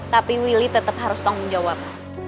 tapi willy tetap harus tanggung jawab